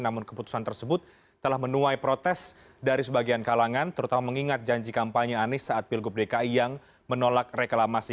namun keputusan tersebut telah menuai protes dari sebagian kalangan terutama mengingat janji kampanye anies saat pilgub dki yang menolak reklamasi